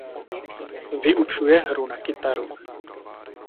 Vyučuje hru na kytaru.